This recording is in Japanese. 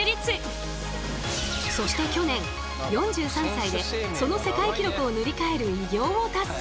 そして去年４３歳でその世界記録を塗り替える偉業を達成。